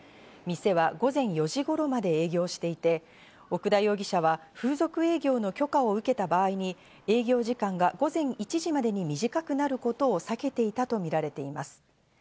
店は午前４時頃まで営業していて、奥田容疑者は風俗営業の許可を受けた場合に営業時間が午前１時までに短くなることを避けていたとみられています。